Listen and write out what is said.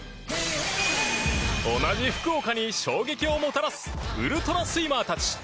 同じ福岡に衝撃をもたらすウルトラスイマーたち。